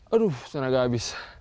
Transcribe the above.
aduh tenaga habis